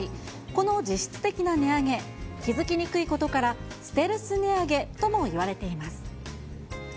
この実質的な値上げ、気付きにくいことから、ステルス値上げともいわれています。